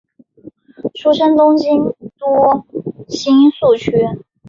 出身于东京都新宿区。